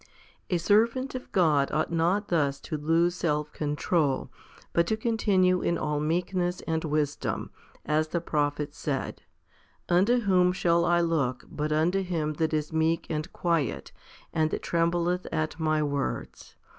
2. A servant of God ought not thus to lose self control, but to continue in all meekness and wisdom, as the prophet said, Unto whom shall I look but unto him that is meek and quiet, and that trembleth at My words?'